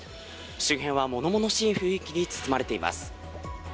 周辺は、ものものしい雰囲気に包まれています。